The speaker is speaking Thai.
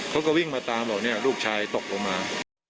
มาวิ่งมาตามเท่าไรลูกชายตกลงมา